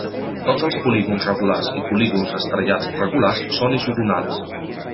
Tots els polígons regulars i polígons estrellats regulars són isogonals.